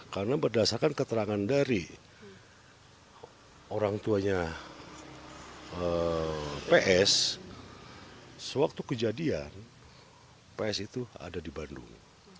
karena berdasarkan keterangan dari orang tuanya ps sewaktu kejadian ps itu ada di bandung